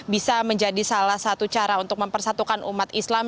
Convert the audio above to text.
bisa menjadi salah satu cara untuk mempersatukan umat islam